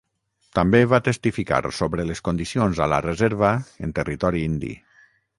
També va testificar sobre les condicions a la reserva en Territori Indi.